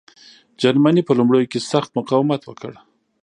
جرمني په لومړیو کې سخت مقاومت وکړ.